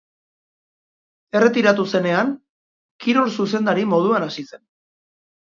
Erretiratu zenean, kirol-zuzendari moduan hasi zen.